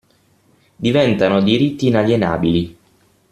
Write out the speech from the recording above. Diventano diritti inalienabili.